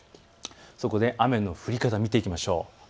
そこで雨の降り方見ていきましょう。